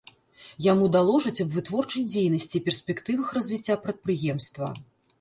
Яму даложаць аб вытворчай дзейнасці і перспектывах развіцця прадпрыемства.